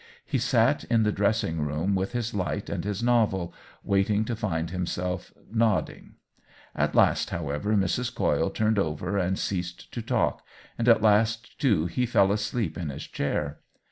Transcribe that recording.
He sat in the dressing room with his light and his novel, waiting to find himself nodding. At last, however, Mrs. Coyle turned over and ceased to talk, and at last, too, he fell asleep in his chair.